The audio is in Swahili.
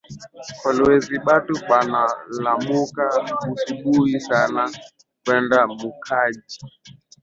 Kolwezi batu banalamuka busubuyi sana kwenda mukaji